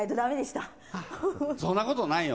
そんなことないよ。